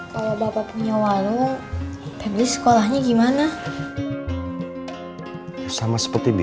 besok pagi ida mau jalan sama ini